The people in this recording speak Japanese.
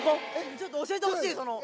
ちょっと教えてほしいその。